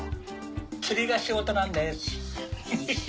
釣りが仕事なんです！